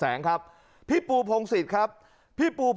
และก็มีการกินยาละลายริ่มเลือดแล้วก็ยาละลายขายมันมาเลยตลอดครับ